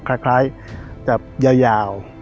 เท่าจะยาว